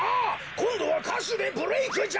こんどはかしゅでブレークじゃ！